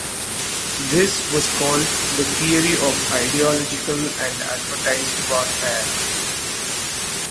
This was called "the theory of ideological and advertised warfare".